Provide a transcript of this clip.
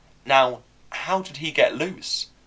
Now how did he get loose?